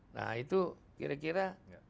nah itu kira kira